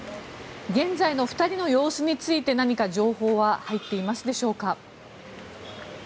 現在の２人の様子について何か情報は入っていますでしょうか？